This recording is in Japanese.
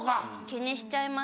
気にしちゃいますね。